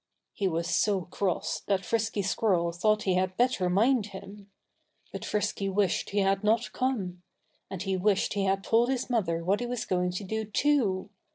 He was so cross that Frisky Squirrel thought he had better mind him. But Frisky wished he had not come. And he wished he had told his mother what he was going to do, too.